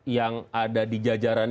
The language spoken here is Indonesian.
yang ada di jajaran